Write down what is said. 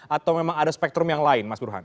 atau memang ada spektrum yang lain mas burhan